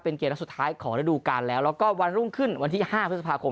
เป็นเกมนัดสุดท้ายของระดูการแล้วแล้วก็วันรุ่งขึ้นวันที่๕พฤษภาคม